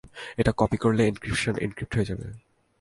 এটা কপি করলে, encryption encrypt হয়ে যাবে।